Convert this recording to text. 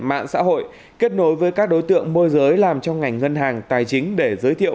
mạng xã hội kết nối với các đối tượng môi giới làm trong ngành ngân hàng tài chính để giới thiệu